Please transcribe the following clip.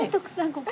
ここ。